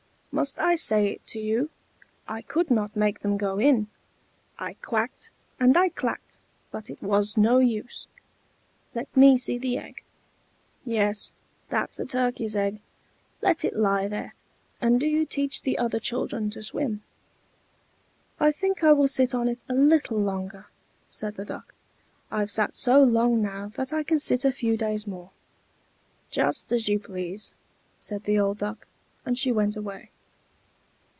Must I say it to you? I could not make them go in. I quacked, and I clacked, but it was no use. Let me see the egg. Yes, that's a turkey's egg. Let it lie there, and do you teach the other children to swim." "I think I will sit on it a little longer," said the Duck. "I've sat so long now that I can sit a few days more." "Just as you please," said the old Duck; and she went away.